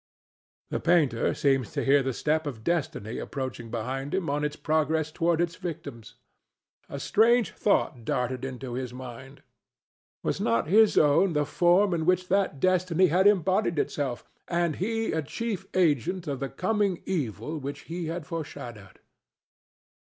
The painter seemed to hear the step of Destiny approaching behind him on its progress toward its victims. A strange thought darted into his mind. Was not his own the form in which that Destiny had embodied itself, and he a chief agent of the coming evil which he had foreshadowed?